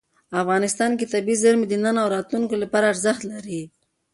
افغانستان کې طبیعي زیرمې د نن او راتلونکي لپاره ارزښت لري.